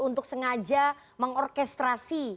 untuk sengaja mengorkestrasi